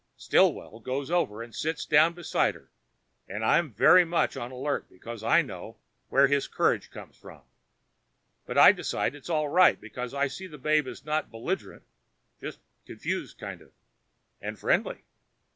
Stillwell goes over and sits down beside her and I'm very much on the alert, because I know where his courage comes from. But I decide it's all right, because I see the babe is not belligerent, just confused kind of. And friendly.